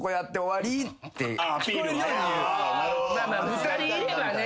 ２人いればね。